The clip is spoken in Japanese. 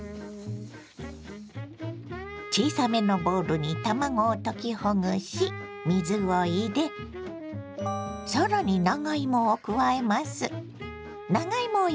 小さめのボウルに卵を溶きほぐし水を入れ更に長芋を加えます。